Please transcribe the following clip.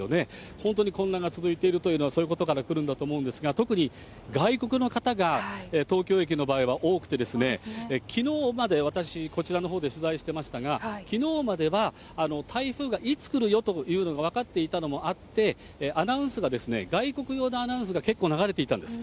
本当に混乱が続いているというのは、そういうことから来るんだと思うんですが、特に外国の方が東京駅の場合は、多くてですね、きのうまで私、こちらのほうで取材してましたが、きのうまでは、台風がいつ来るよというのが分かっていたのもあって、アナウンスが外国語のアナウンスが結構流れていたんです。